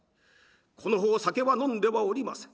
この方酒は飲んではおりません。